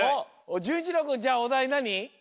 じゅんいちろうくんじゃあおだいなに？